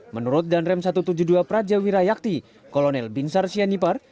menurut danrem satu ratus tujuh puluh dua praja wirayakti kolonel binsar sianipar